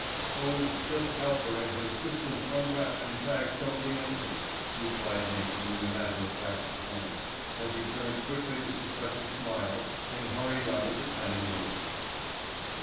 "Oh, just help her and her assistant unwrap and tag some of the entries," replied Nathan in a matter of fact tone, as he turned quickly to suppress a smile and hurried out of the tiny room.